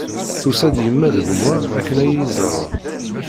Tusa-d yemma d gma akken ad iyi-iẓren.